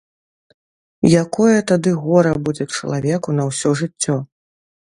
Якое тады гора будзе чалавеку на ўсё жыццё!